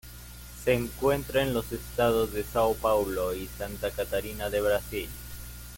Se encuentra en los estados de São Paulo y Santa Catarina de Brasil.